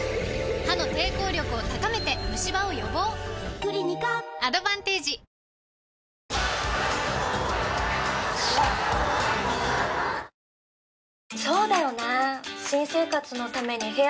クリニカアドバンテージ一平ちゃーん！